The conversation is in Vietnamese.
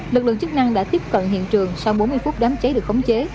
lực lượng chức năng đã tiếp cận hiện trường sau bốn mươi phút đám cháy được khống chế